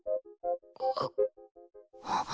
あっ！